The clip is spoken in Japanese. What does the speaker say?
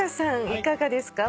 いかがですか？